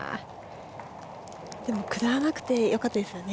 でも下らなくてよかったですね。